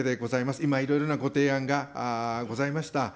今、いろいろなご提案がございました。